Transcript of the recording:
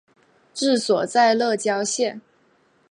治所在乐郊县。